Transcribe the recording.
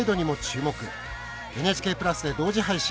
ＮＨＫプラスで同時配信